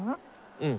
うん。